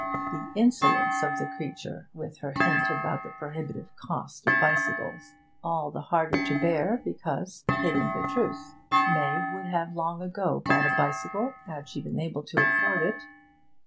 The insolence of the creature, with her hint about the prohibitive cost of bicycles! All the harder to bear because hitting the truth. May would have long ago bought a bicycle had she been able to afford it.